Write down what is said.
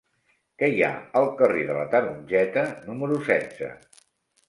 Què hi ha al carrer de la Tarongeta número setze?